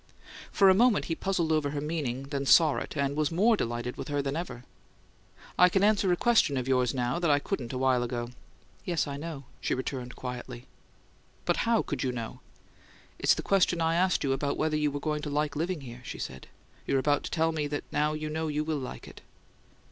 For a moment he puzzled over her meaning, then saw it, and was more delighted with her than ever. "I can answer a question of yours, now, that I couldn't a while ago." "Yes, I know," she returned, quietly. "But how could you know?" "It's the question I asked you about whether you were going to like living here," she said. "You're about to tell me that now you know you WILL like it."